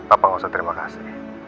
apa gak usah terima kasih